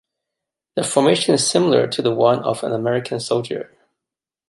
The formation is similar to the one of an American soldier.